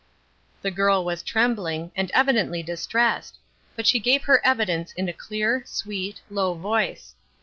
The girl was trembling, and evidently distressed, but she gave her evidence in a clear, sweet, low voice.